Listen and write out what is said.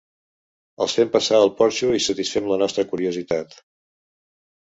Els fem passar al porxo i satisfem la nostra curiositat.